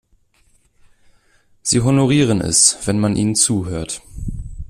Sie honorieren es, wenn man ihnen zuhört.